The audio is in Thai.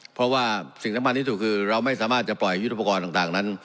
เพราะว่าสิ่งสำคัญที่สุดคือเราไม่สามารถจะปล่อยยุทธปกรณ์ต่างนั้น